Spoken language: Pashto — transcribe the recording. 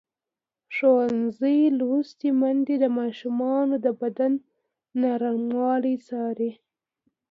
ښوونځې لوستې میندې د ماشومانو د بدن نرموالی څاري.